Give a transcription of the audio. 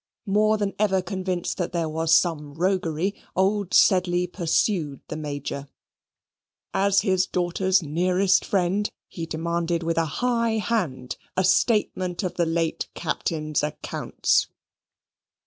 More than ever convinced that there was some roguery, old Sedley pursued the Major. As his daughter's nearest friend, he demanded with a high hand a statement of the late Captain's accounts.